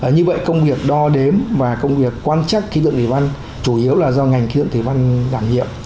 như vậy công việc đo đếm và công việc quan trắc khí tượng thủy văn chủ yếu là do ngành khí tượng thủy văn đảm nhiệm